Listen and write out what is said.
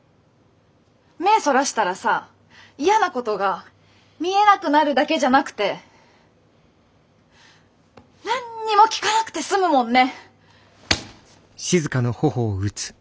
目そらしたらさ嫌なことが見えなくなるだけじゃなくて何にも聞かなくてすむもんね！